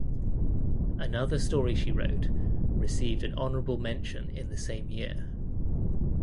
Another story she wrote received an honorable mention in the same year.